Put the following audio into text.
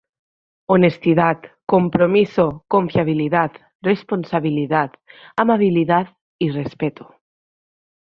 Honestidad, compromiso, confiabilidad, responsabilidad, amabilidad y respeto.